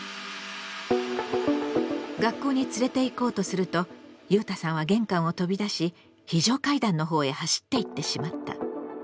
学校に連れていこうとするとゆうたさんは玄関を飛び出し非常階段の方へ走っていってしまった。